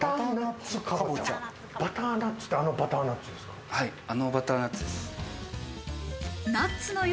バターナッツって、あのバタはい、あのバターナッツです。